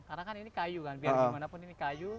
karena kan ini kayu kan biar gimana pun ini kayu